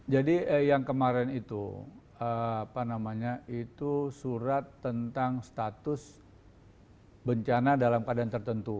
jadi yang kemarin itu apa namanya itu surat tentang status bencana dalam keadaan tertentu